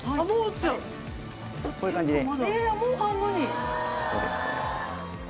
もう半分に！